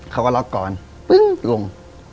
เขาก็ล็อกก่อนปึ้งลง